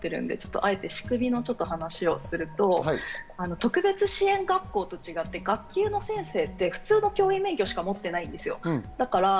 あえて仕組みの話をすると特別支援学校と違って、学級の先生って普通の教員免許しか持っていないんですよ。